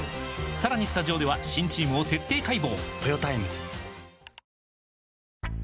さらにスタジオでは新チームを徹底解剖！